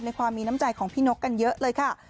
ความมีน้ำใจของพี่นกกันเยอะเลยค่ะ